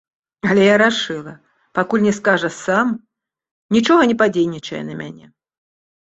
Але я рашыла, пакуль не скажа сам, нічога не падзейнічае на мяне.